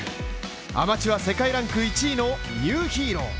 アマチュア世界ランク１位のニューヒーロー。